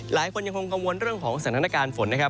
หลายคนยังคงกังวลเรื่องของสถานการณ์ฝนนะครับ